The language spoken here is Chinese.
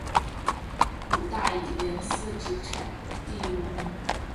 古代以连四纸产地闻名。